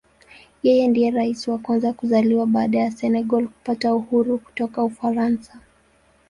Yeye ndiye Rais wa kwanza kuzaliwa baada ya Senegal kupata uhuru kutoka Ufaransa.